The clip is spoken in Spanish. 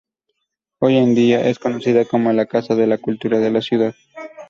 Hoy en día es conocida como la casa de la cultura de la ciudad.